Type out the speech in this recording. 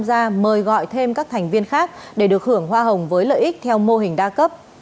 tạo ra mời gọi thêm các thành viên khác để được hưởng hoa hồng với lợi ích theo mô hình đa cấp